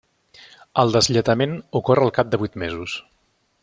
El deslletament ocorre al cap de vuit mesos.